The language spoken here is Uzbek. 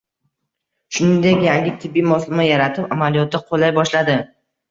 Shuningdek, yangi tibbiy moslama yaratib, amaliyotda qo‘llay boshladi